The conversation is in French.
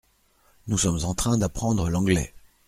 Nous sommes en train d’apprendre l’anglais.